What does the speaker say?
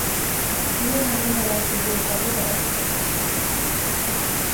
A quina hora arriba l'autobús de Godall?